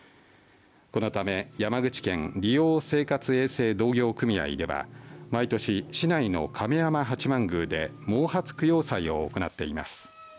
このため山口県理容生活衛生同業組合では毎年、市内の亀山八幡宮で毛髪供養祭を行っています。